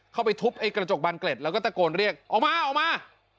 เข้าไปทุบไอ้กระจกบานเกล็ดแล้วก็ตะโกนเรียกออกมาออกมา